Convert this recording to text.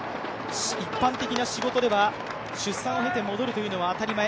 一般的な仕事では出産を経て戻るというのは当たり前。